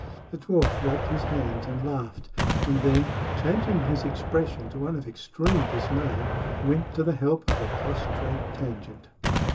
The dwarf rubbed his hands and laughed. And then, changing his expression to one of extreme dismay, went to the help of the prostrate Tangent.